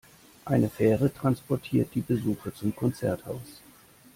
Eine Fähre transportiert die Besucher zum Konzerthaus.